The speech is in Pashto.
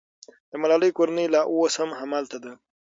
د ملالۍ کورنۍ لا اوس هم هلته ده.